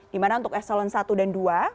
di mana untuk eselon satu dan dua